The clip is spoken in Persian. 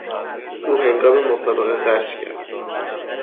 او هنگام مسابقه غش کرد.